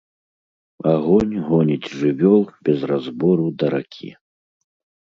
Агонь гоніць жывёл без разбору да ракі.